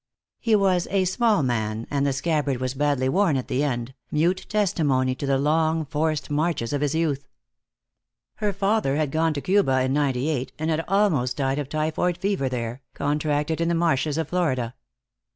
He was a small man, and the scabbard was badly worn at the end, mute testimony to the long forced marches of his youth. Her father had gone to Cuba in '98, and had almost died of typhoid fever there, contracted in the marshes of Florida.